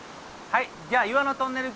はい。